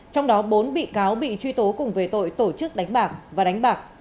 trong đó bốn bị cáo bị truy tố cùng về tội tổ chức đánh bạc và đánh bạc